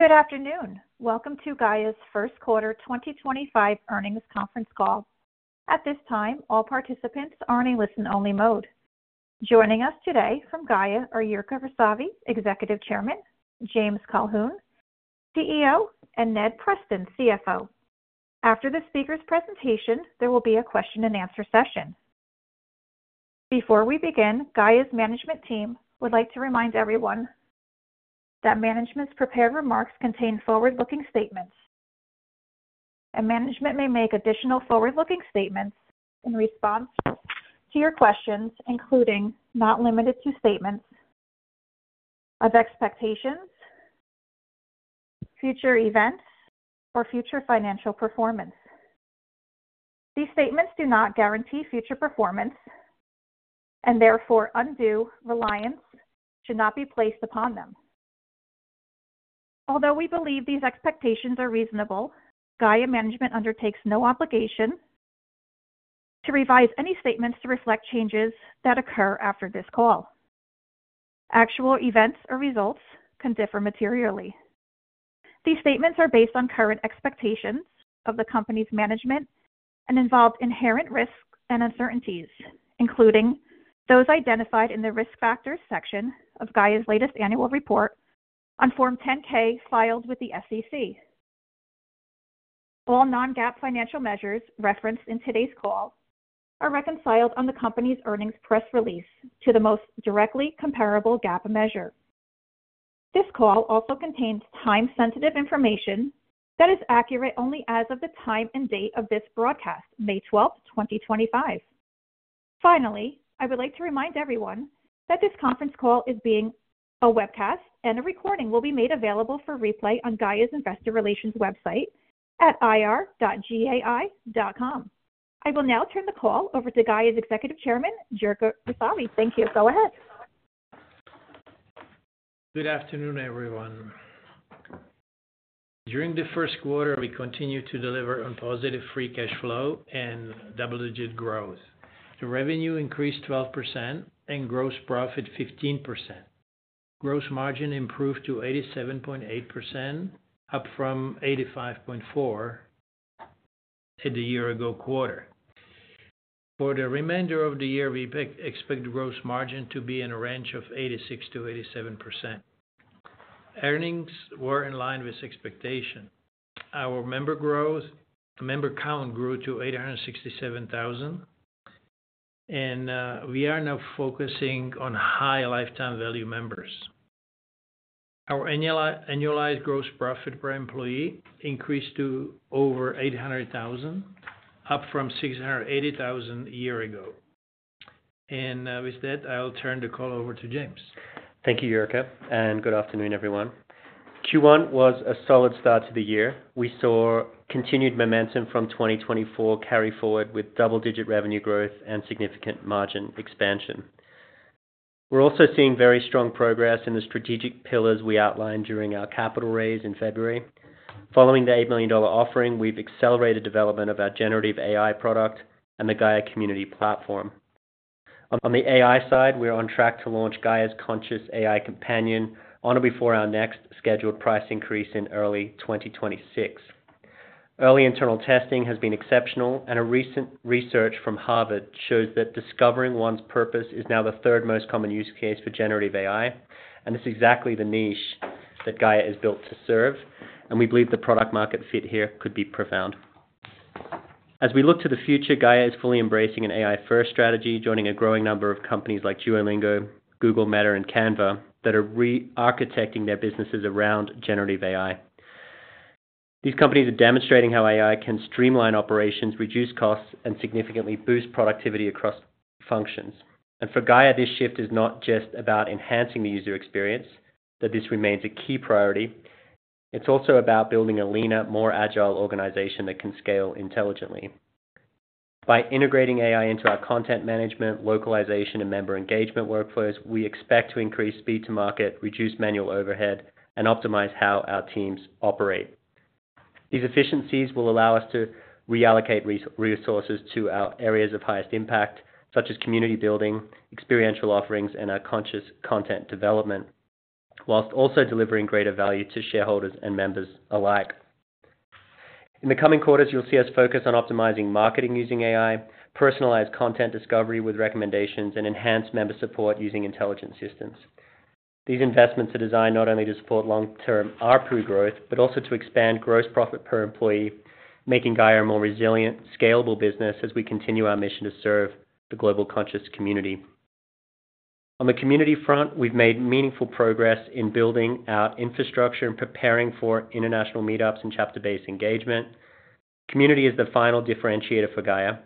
Good afternoon. Welcome to Gaia's First Quarter 2025 Earnings Conference Call. At this time, all participants are in a listen-only mode. Joining us today from Gaia are Jirka Rysavy, Executive Chairman, James Colquhoun, CEO, and Ned Preston, CFO. After the speakers' presentation, there will be a question-and-answer session. Before we begin, Gaia's management team would like to remind everyone that management's prepared remarks contain forward-looking statements. Management may make additional forward-looking statements in response to your questions, including not limited to statements of expectations, future events, or future financial performance. These statements do not guarantee future performance and therefore undue reliance should not be placed upon them. Although we believe these expectations are reasonable, Gaia management undertakes no obligation to revise any statements to reflect changes that occur after this call. Actual events or results can differ materially. These statements are based on current expectations of the company's management and involve inherent risks and uncertainties, including those identified in the risk factors section of Gaia's latest annual report on Form 10-K filed with the SEC. All non-GAAP financial measures referenced in today's call are reconciled on the company's earnings press release to the most directly comparable GAAP measure. This call also contains time-sensitive information that is accurate only as of the time and date of this broadcast, May 12th, 2025. Finally, I would like to remind everyone that this conference call is being webcast and a recording will be made available for replay on Gaia's investor relations website at ir.gaia.com. I will now turn the call over to Gaia's Executive Chairman, Jirka Rysavy. Thank you. Go ahead. Good afternoon, everyone. During the first quarter, we continued to deliver on positive free cash flow and double-digit growth. The revenue increased 12% and gross profit 15%. Gross margin improved to 87.8%, up from 85.4% in the year-ago quarter. For the remainder of the year, we expect the gross margin to be in a range of 86%-87%. Earnings were in line with expectations. Our member growth, member count grew to 867,000, and we are now focusing on high lifetime value members. Our annualized gross profit per employee increased to over $800,000, up from $680,000 a year ago. With that, I'll turn the call over to James. Thank you, Jirka. Good afternoon, everyone. Q1 was a solid start to the year. We saw continued momentum from 2024 carry forward with double-digit revenue growth and significant margin expansion. We are also seeing very strong progress in the strategic pillars we outlined during our capital raise in February. Following the $8 million offering, we have accelerated development of our generative AI product and the Gaia Community platform. On the AI side, we are on track to launch Gaia's conscious AI companion on or before our next scheduled price increase in early 2026. Early internal testing has been exceptional, and recent research from Harvard shows that discovering one's purpose is now the third most common use case for generative AI, and it is exactly the niche that Gaia is built to serve. We believe the product-market fit here could be profound. As we look to the future, Gaia is fully embracing an AI-first strategy, joining a growing number of companies like Duolingo, Google, Meta, and Canva that are re-architecting their businesses around generative AI. These companies are demonstrating how AI can streamline operations, reduce costs, and significantly boost productivity across functions. For Gaia, this shift is not just about enhancing the user experience, that this remains a key priority. It is also about building a leaner, more agile organization that can scale intelligently. By integrating AI into our content management, localization, and member engagement workflows, we expect to increase speed to market, reduce manual overhead, and optimize how our teams operate. These efficiencies will allow us to reallocate resources to our areas of highest impact, such as community building, experiential offerings, and our conscious content development, whilst also delivering greater value to shareholders and members alike. In the coming quarters, you'll see us focus on optimizing marketing using AI, personalized content discovery with recommendations, and enhanced member support using intelligent systems. These investments are designed not only to support long-term ARPU growth, but also to expand gross profit per employee, making Gaia a more resilient, scalable business as we continue our mission to serve the global conscious community. On the community front, we've made meaningful progress in building our infrastructure and preparing for international meetups and chapter-based engagement. Community is the final differentiator for Gaia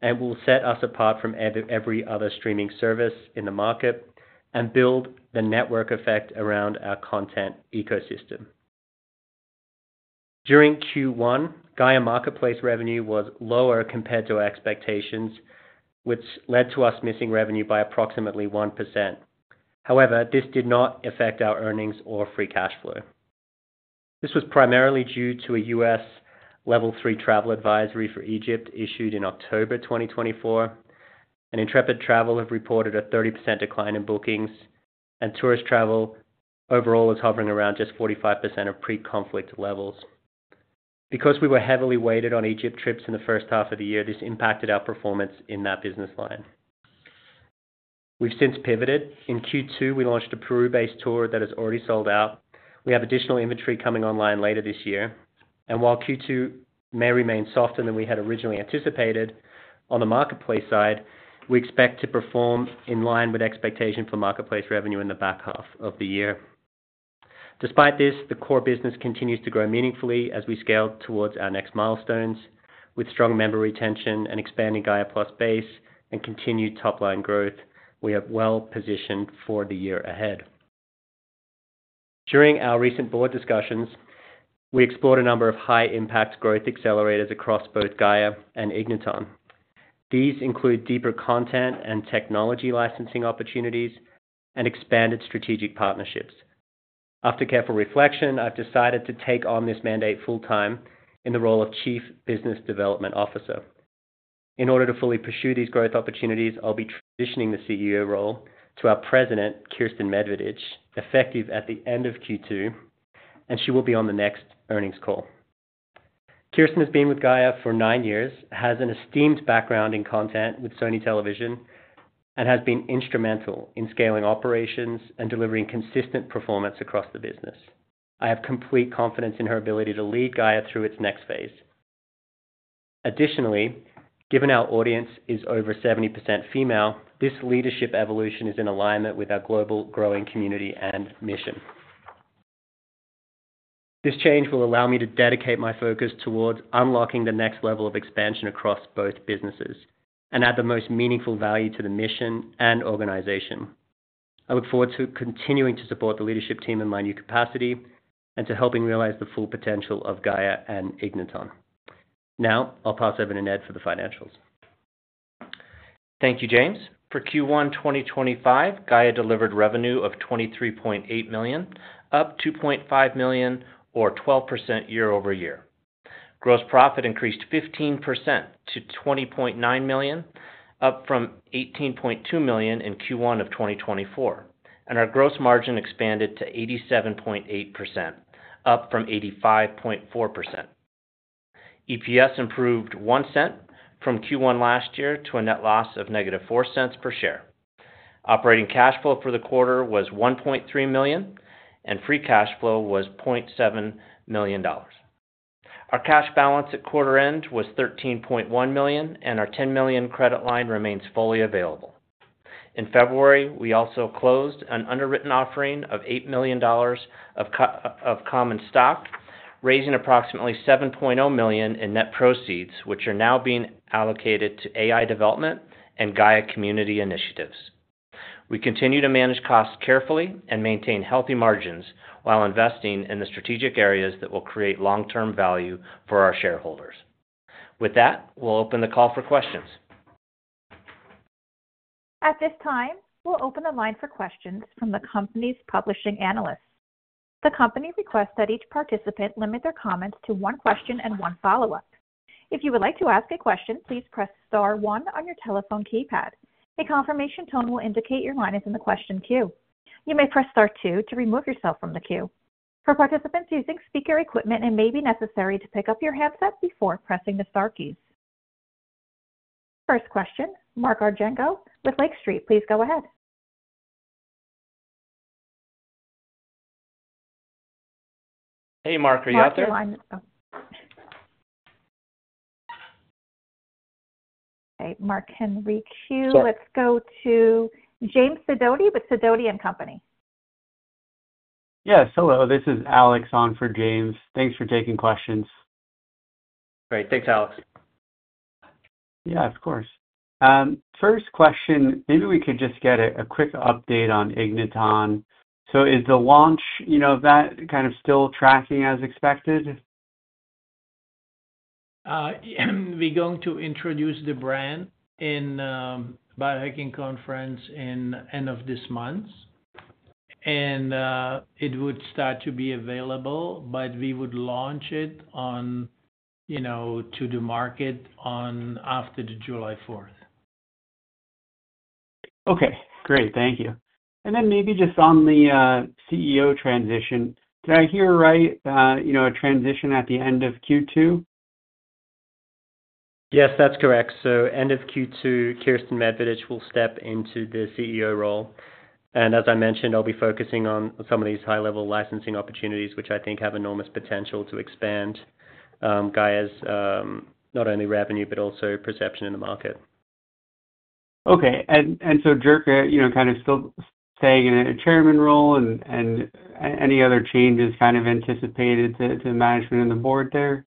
and will set us apart from every other streaming service in the market and build the network effect around our content ecosystem. During Q1, Gaia Marketplace revenue was lower compared to expectations, which led to us missing revenue by approximately 1%. However, this did not affect our earnings or free cash flow. This was primarily due to a U.S. level three travel advisory for Egypt issued in October 2024. Intrepid Travel have reported a 30% decline in bookings, and tourist travel overall is hovering around just 45% of pre-conflict levels. Because we were heavily weighted on Egypt trips in the first half of the year, this impacted our performance in that business line. We have since pivoted. In Q2, we launched a Peru-based tour that has already sold out. We have additional inventory coming online later this year. While Q2 may remain softer than we had originally anticipated, on the Marketplace side, we expect to perform in line with expectation for Marketplace revenue in the back half of the year. Despite this, the core business continues to grow meaningfully as we scale towards our next milestones. With strong member retention and expanding Gaia Plus base and continued top-line growth, we are well positioned for the year ahead. During our recent board discussions, we explored a number of high-impact growth accelerators across both Gaia and Igniton. These include deeper content and technology licensing opportunities and expanded strategic partnerships. After careful reflection, I've decided to take on this mandate full-time in the role of Chief Business Development Officer. In order to fully pursue these growth opportunities, I'll be transitioning the CEO role to our President, Kirsten Medvedich, effective at the end of Q2, and she will be on the next earnings call. Kirsten has been with Gaia for nine years, has an esteemed background in content with Sony Television, and has been instrumental in scaling operations and delivering consistent performance across the business. I have complete confidence in her ability to lead Gaia through its next phase. Additionally, given our audience is over 70% female, this leadership evolution is in alignment with our global growing community and mission. This change will allow me to dedicate my focus towards unlocking the next level of expansion across both businesses and add the most meaningful value to the mission and organization. I look forward to continuing to support the leadership team in my new capacity and to helping realize the full potential of Gaia and Igniton. Now, I'll pass over to Ned for the financials. Thank you, James. For Q1 2025, Gaia delivered revenue of $23.8 million, up $2.5 million or 12% year-over-year. Gross profit increased 15% to $20.9 million, up from $18.2 million in Q1 of 2024. Our gross margin expanded to 87.8%, up from 85.4%. EPS improved $0.01 from Q1 last year to a net loss of -$0.04 per share. Operating cash flow for the quarter was $1.3 million, and free cash flow was $0.7 million. Our cash balance at quarter-end was $13.1 million, and our $10 million credit line remains fully available. In February, we also closed an underwritten offering of $8 million of common stock, raising approximately $7.0 million in net proceeds, which are now being allocated to AI development and Gaia Community initiatives. We continue to manage costs carefully and maintain healthy margins while investing in the strategic areas that will create long-term value for our shareholders. With that, we will open the call for questions. At this time, we'll open the line for questions from the company's publishing analysts. The company requests that each participant limit their comments to one question and one follow-up. If you would like to ask a question, please press star one on your telephone keypad. A confirmation tone will indicate your line is in the question queue. You may press star two to remove yourself from the queue. For participants using speaker equipment, it may be necessary to pick up your headset before pressing the star keys. First question, Mark Argento with Lake Street. Please go ahead. Hey, Mark. Are you out there? Mark queue. Let's go to James Sidoti with Sidoti & Company. Yes. Hello. This is Alex on for James. Thanks for taking questions. Great. Thanks, Alex. Yeah, of course. First question, maybe we could just get a quick update on Igniton. So is the launch that kind of still tracking as expected? We're going to introduce the brand in Biohacking Conference at the end of this month. It would start to be available, but we would launch it to the market after July 4th. Okay. Great. Thank you. Maybe just on the CEO transition, did I hear right, a transition at the end of Q2? Yes, that's correct. End of Q2, Kirsten Medvedich will step into the CEO role. As I mentioned, I'll be focusing on some of these high-level licensing opportunities, which I think have enormous potential to expand Gaia's not only revenue but also perception in the market. Okay. And so Jirka, kind of still staying in a Chairman role, and any other changes kind of anticipated to management and the Board there?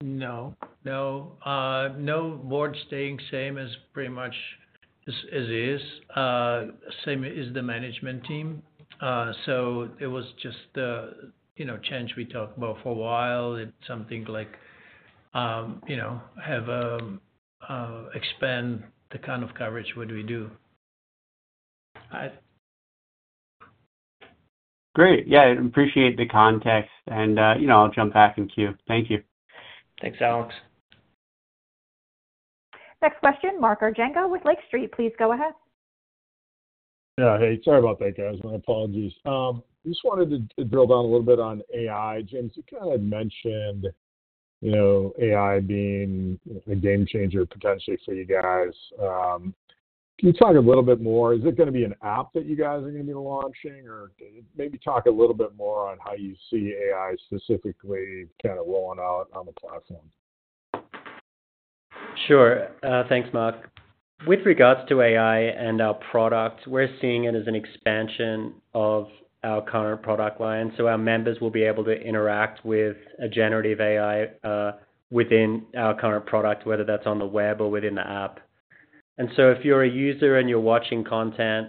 No. No. No, Board staying same as pretty much as is. Same as the management team. It was just the change we talked about for a while, something like have expand the kind of coverage what we do. Great. Yeah. I appreciate the context. I'll jump back in queue. Thank you. Thanks, Alex. Next question, Mark Argento with Lake Street. Please go ahead. Yeah. Hey, sorry about that, guys. My apologies. I just wanted to drill down a little bit on AI. James, you kind of had mentioned AI being a game changer potentially for you guys. Can you talk a little bit more? Is it going to be an app that you guys are going to be launching? Or maybe talk a little bit more on how you see AI specifically kind of rolling out on the platform. Sure. Thanks, Mark. With regards to AI and our product, we're seeing it as an expansion of our current product line. Our members will be able to interact with a generative AI within our current product, whether that's on the web or within the app. If you're a user and you're watching content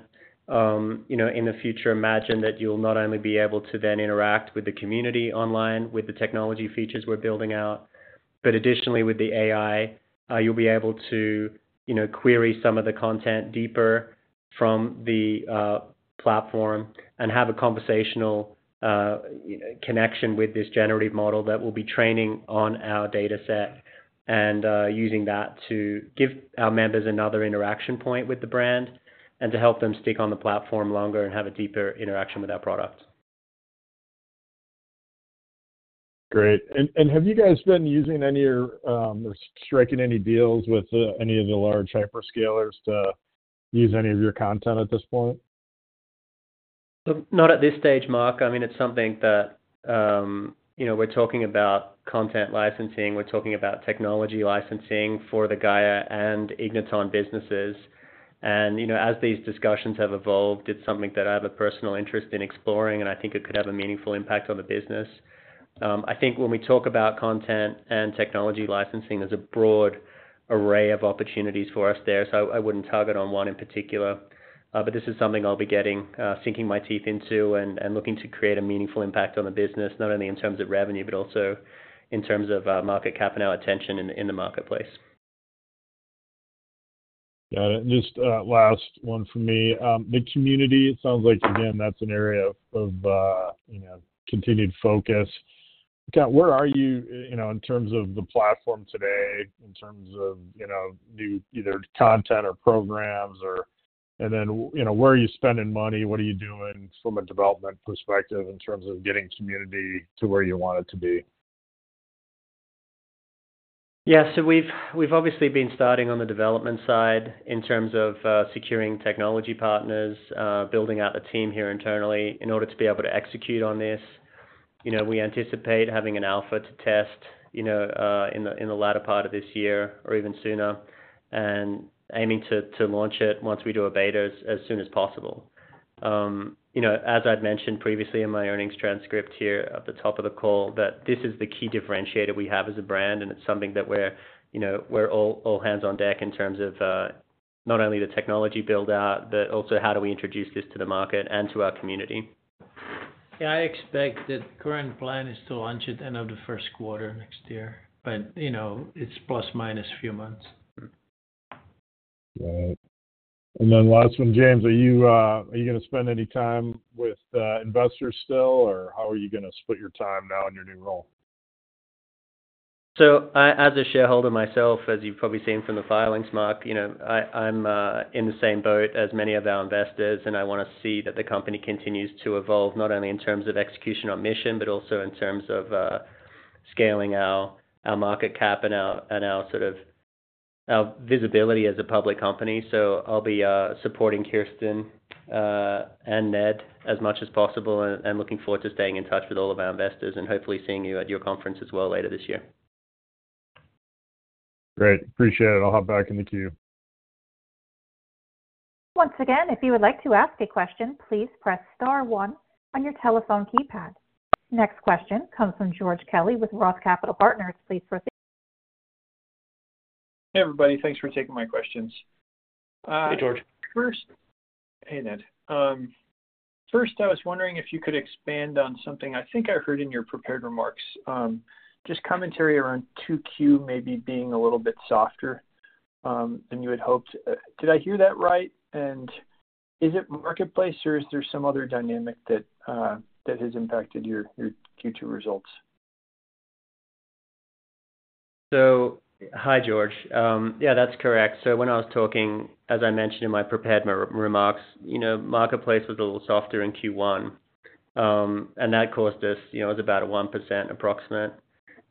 in the future, imagine that you'll not only be able to then interact with the community online with the technology features we're building out, but additionally with the AI, you'll be able to query some of the content deeper from the platform and have a conversational connection with this generative model that will be training on our dataset and using that to give our members another interaction point with the brand and to help them stick on the platform longer and have a deeper interaction with our product. Great. Have you guys been using any or striking any deals with any of the large hyperscalers to use any of your content at this point? Not at this stage, Mark. I mean, it's something that we're talking about, content licensing. We're talking about technology licensing for the Gaia and Igniton businesses. As these discussions have evolved, it's something that I have a personal interest in exploring, and I think it could have a meaningful impact on the business. I think when we talk about content and technology licensing, there's a broad array of opportunities for us there. I wouldn't target one in particular, but this is something I'll be getting, sinking my teeth into and looking to create a meaningful impact on the business, not only in terms of revenue but also in terms of market cap and our attention in the marketplace. Got it. Just last one for me. The Community, it sounds like, again, that's an area of continued focus. Where are you in terms of the platform today, in terms of new either content or programs? Where are you spending money? What are you doing from a development perspective in terms of getting Community to where you want it to be? Yeah. We have obviously been starting on the development side in terms of securing technology partners, building out a team here internally in order to be able to execute on this. We anticipate having an alpha to test in the latter part of this year or even sooner and aiming to launch it once we do a beta as soon as possible. As I have mentioned previously in my earnings transcript here at the top of the call, this is the key differentiator we have as a brand, and it is something that we are all hands on deck in terms of not only the technology build-out, but also how do we introduce this to the market and to our community. Yeah. I expect the current plan is to launch at the end of the first quarter next year, but it's plus minus a few months. Great. And then last one, James, are you going to spend any time with investors still, or how are you going to split your time now in your new role? As a shareholder myself, as you've probably seen from the filings, Mark, I'm in the same boat as many of our investors, and I want to see that the company continues to evolve not only in terms of execution on mission, but also in terms of scaling our market cap and our sort of visibility as a public company. I'll be supporting Kirsten and Ned as much as possible and looking forward to staying in touch with all of our investors and hopefully seeing you at your conference as well later this year. Great. Appreciate it. I'll hop back in the queue. Once again, if you would like to ask a question, please press star one on your telephone keypad. Next question comes from George Kelly with ROTH Capital Partners. Please proceed. Hey, everybody. Thanks for taking my questions. Hey, George. First, hey, Ned. First, I was wondering if you could expand on something I think I heard in your prepared remarks. Just commentary around 2Q maybe being a little bit softer than you had hoped. Did I hear that right? Is it Marketplace, or is there some other dynamic that has impacted your Q2 results? Hi, George. Yeah, that's correct. When I was talking, as I mentioned in my prepared remarks, Marketplace was a little softer in Q1, and that caused us, it was about a 1% approximate.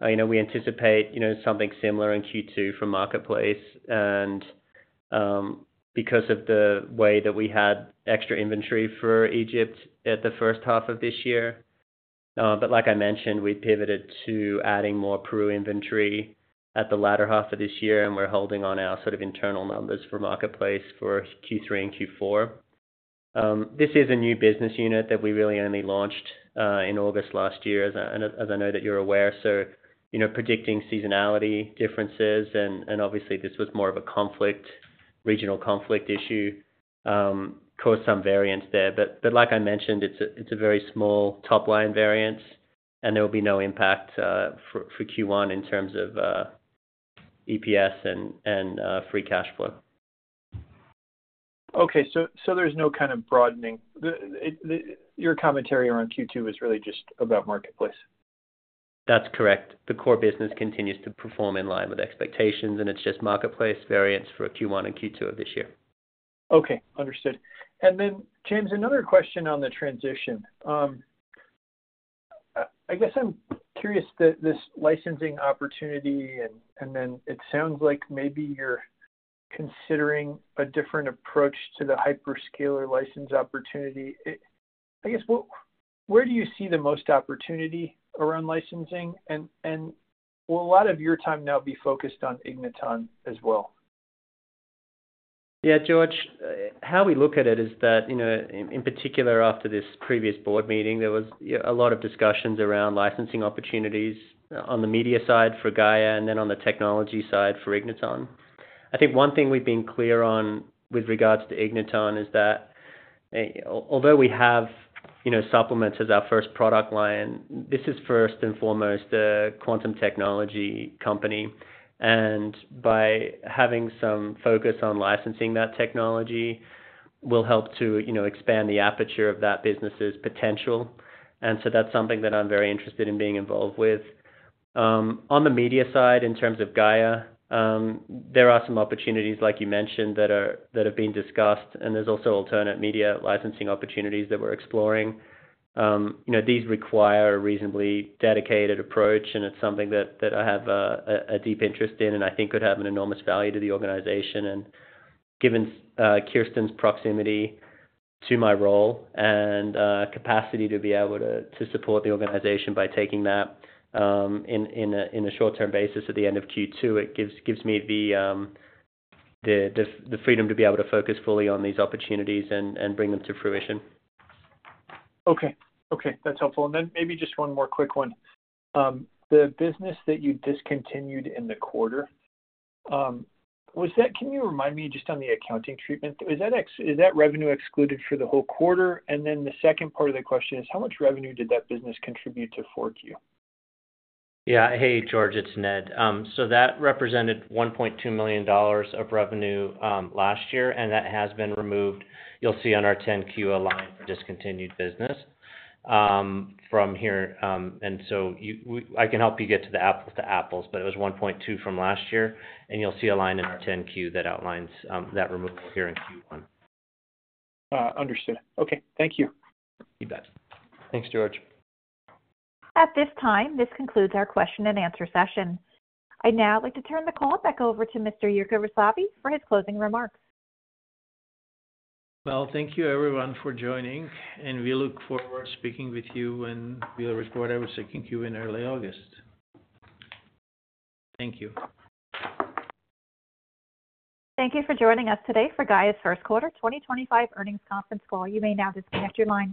We anticipate something similar in Q2 from Marketplace because of the way that we had extra inventory for Egypt at the first half of this year. Like I mentioned, we pivoted to adding more Peru inventory at the latter half of this year, and we're holding on our sort of internal numbers for Marketplace for Q3 and Q4. This is a new business unit that we really only launched in August last year, as I know that you're aware. Predicting seasonality differences, and obviously, this was more of a regional conflict issue, caused some variance there. Like I mentioned, it's a very small top-line variance, and there will be no impact for Q1 in terms of EPS and free cash flow. Okay. So there's no kind of broadening? Your commentary around Q2 is really just about Marketplace? That's correct. The core business continues to perform in line with expectations, and it's just Marketplace variance for Q1 and Q2 of this year. Okay. Understood. James, another question on the transition. I guess I'm curious that this licensing opportunity, and it sounds like maybe you're considering a different approach to the hyperscaler license opportunity. I guess where do you see the most opportunity around licensing? Will a lot of your time now be focused on Igniton as well? Yeah, George, how we look at it is that, in particular, after this previous Board meeting, there was a lot of discussions around licensing opportunities on the media side for Gaia and then on the technology side for Igniton. I think one thing we've been clear on with regards to Igniton is that although we have supplements as our first product line, this is first and foremost a quantum technology company. By having some focus on licensing that technology will help to expand the aperture of that business's potential. That is something that I'm very interested in being involved with. On the media side, in terms of Gaia, there are some opportunities, like you mentioned, that have been discussed, and there are also alternate media licensing opportunities that we're exploring. These require a reasonably dedicated approach, and it's something that I have a deep interest in and I think could have an enormous value to the organization. Given Kirsten's proximity to my role and capacity to be able to support the organization by taking that in a short-term basis at the end of Q2, it gives me the freedom to be able to focus fully on these opportunities and bring them to fruition. Okay. Okay. That's helpful. Maybe just one more quick one. The business that you discontinued in the quarter, can you remind me just on the accounting treatment? Is that revenue excluded for the whole quarter? The second part of the question is, how much revenue did that business contribute to 4Q? Yeah. Hey, George, it's Ned. That represented $1.2 million of revenue last year, and that has been removed. You'll see on our 10-Q a line for discontinued business from here. I can help you get to the apples to apples, but it was $1.2 million from last year, and you'll see a line in our 10-Q that outlines that removal here in Q1. Understood. Okay. Thank you. You bet. Thanks, George. At this time, this concludes our question-and-answer session. I'd now like to turn the call back over to Mr. Jirka Rysavy for his closing remarks. Thank you, everyone, for joining, and we look forward to speaking with you, and we'll report our second Q in early August. Thank you. Thank you for joining us today for Gaia's First Quarter 2025 Earnings Conference Call. You may now disconnect your line.